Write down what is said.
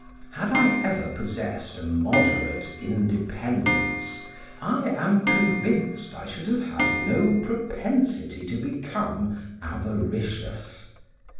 Had I ever possessed a moderate independence, I am convinced I should have had no propensity to become avaricious.